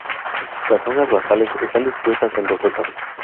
Las hojas basales están dispuestas en rosetas.